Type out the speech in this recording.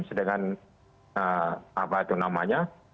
sedangkan apa itu namanya